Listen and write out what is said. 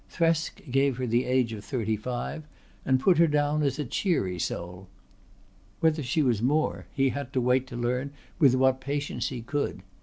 Thresk gave her the age of thirty five and put her down as a cheery soul. Whether she was more he had to wait to learn with what patience he could.